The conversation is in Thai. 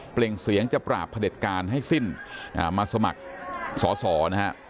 เสียงจะปราบพระเด็จการให้สิ้นมาสมัครสอสอนะฮะ